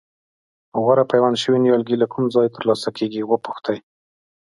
غوره پیوند شوي نیالګي له کوم ځایه ترلاسه کېږي وپوښتئ.